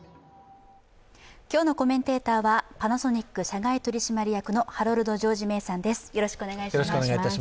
今日のコメンテーターはパナソニック社外取締役のハロルド・ジョージ・メイさんです。